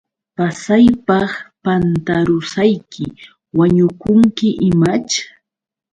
Pasaypaq pantarusayki, ¿wañukunki imaćh?